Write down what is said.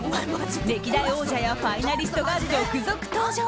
歴代王者やファイナリストが続々登場。